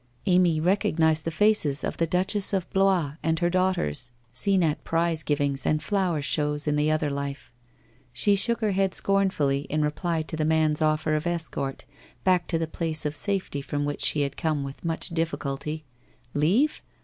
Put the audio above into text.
Amy recognized tie facee of the Duchess of Bloie and her daughters, seen at 238 WHITE ROSE OF WEARY LEAF prize givings and flower shows in the other life. She shook her head scornfully in reply to the man's offer of escort back to the place of safety from which she had come with much difficulty. Leave?